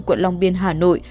quận lòng biên hà nội